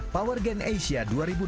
power gang asia dua ribu delapan belas